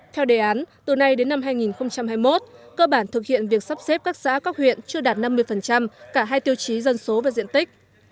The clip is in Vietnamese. theo đề án từ nay đến năm hai nghìn hai mươi một cơ bản thực hiện việc sắp xếp các xã các huyện chưa đạt năm mươi cả hai tiêu chí dân số và diện tích